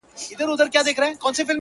• د باوړۍ اوبه به وچي وي، بیا څه کړې -